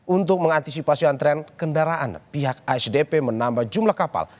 untuk mengantisipasi antrean kendaraan pihak asdp menambah jumlah kapal